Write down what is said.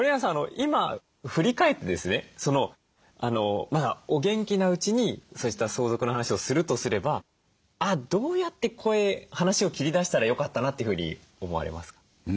今振り返ってですねお元気なうちにそうした相続の話をするとすればどうやって話を切り出したらよかったなというふうに思われますか？